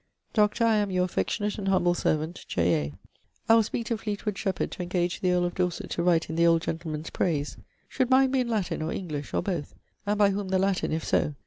Doctor, I am your affectionate and humble servant. J. A. I will speake to Fleetwood Shepherd to engage the earl of Dorset to write in the old gentleman's praise. Should mine be in Latin or English or both? (And by whome the Latin, if so?)